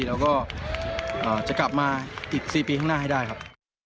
แล้วก็จะกลับมาอีก๔ปีข้างหน้าให้ได้ครับ